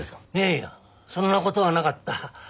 いやいやそんな事はなかった。